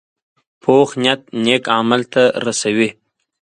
پوخ نیت نیک عمل ته رسوي